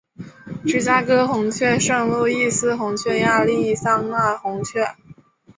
芝加哥红雀圣路易斯红雀亚利桑那红雀